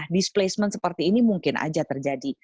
displacement seperti ini mungkin aja terjadi